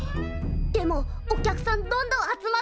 でもお客さんどんどん集まってるよ。